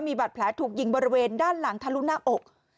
มีบาดแผลถูกยิงบริเวณด้านหลังทะลุหน้าอก